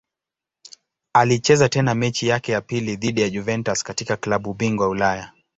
Alicheza tena mechi yake ya pili dhidi ya Juventus katika klabu bingwa Ulaya.